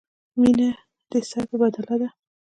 مینه دې سر په بدله ده.